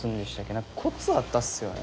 なんかコツあったっすよね。